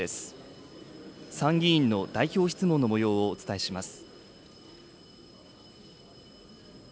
参議院の代表質問のもようをお伝えします。